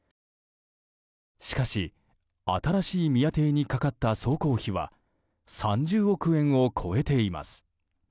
しかし、新しい宮邸にかかった総工費は３０億円を超えています。